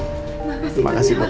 terima kasih dokter